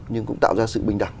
nhưng cũng tạo ra sự bình đẳng